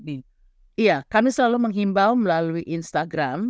iya kami selalu menghimbau melalui instagram